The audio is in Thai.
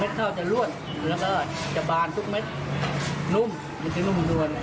และก็เม็ดข้าวจะรวดและจะบานทุกเม็ดนุ่ม